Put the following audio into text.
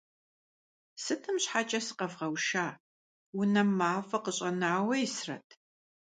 Сытым щхьэкӀэ сыкъэвгъэуша? Унэм мафӀэ къыщӀэнауэ исрэт?!